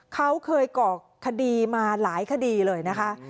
เขาเคยก่อคดีมาหลายคดีเลยนะคะ